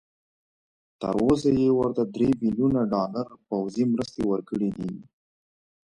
تر اوسه یې ورته درې بيلیونه ډالر پوځي مرسته ورکړي دي.